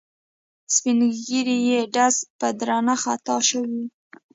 سپین ږیری یې ډز به درنه خطا شوی وي.